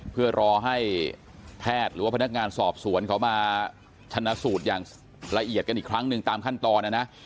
เพื่อรอให้แพทย์หรือว่าพนักงานสอบสวนเขามาชนะสูตรอย่างละเอียดกันอีกครั้งหนึ่งตามขั้นตอนนะนะ